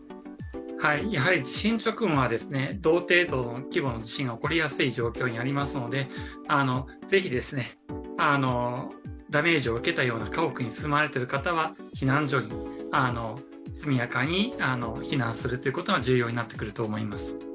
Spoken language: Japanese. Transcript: やはり地震直後は同程度の規模の地震が起こりやすい状況にありますので、ぜひダメージを受けたような家屋に住まわれている方は避難所に速やかに避難するということが重要になってくると思います。